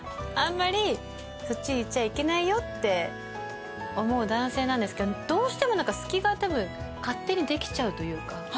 あんまりそっち行っちゃいけないよって思う男性なんですけどどうしても隙が勝手にできちゃうというか。